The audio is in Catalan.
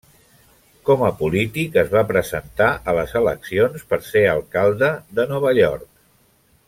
Com a polític, es va presentar a les eleccions per ser alcalde de Nova York.